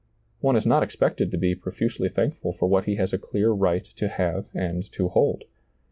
One is not expected to be profusely thankful for what he has a clear right to have and to hold.